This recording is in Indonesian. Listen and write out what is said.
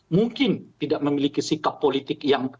mungkin tidak memiliki sikap politik yang